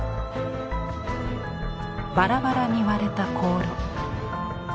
バラバラに割れた香炉。